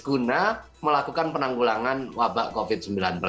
guna melakukan penanggulangan wabah covid sembilan belas